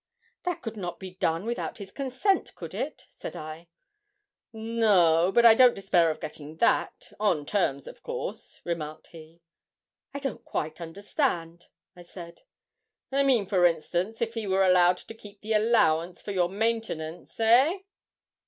'That could not be done without his consent, could it?' said I. 'No, but I don't despair of getting that on terms, of course,' remarked he. 'I don't quite understand,' I said. 'I mean, for instance, if he were allowed to keep the allowance for your maintenance eh?'